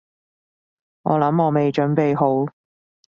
我諗我未準備好